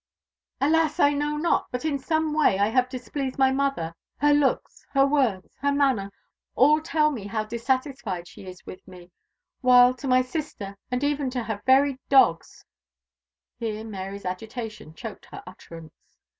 "Alas! I know not; but in some way I have displeased my mother; her looks her words her manner all tell me how dissatisfied she is with me; while to my sister, and even to her very dogs Here Mary's agitation choked her utterance.